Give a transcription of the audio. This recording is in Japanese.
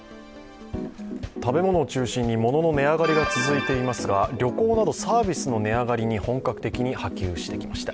食べ物を中心に物の値上がりが続いていますが旅行などサービスの値上がりが本格的に波及してきました。